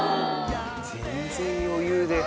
全然余裕で。